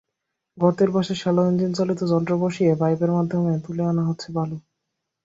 গর্তের পাশে শ্যালো ইঞ্জিনচালিত যন্ত্র বসিয়ে পাইপের মাধ্যমে তুলে আনা হচ্ছে বালু।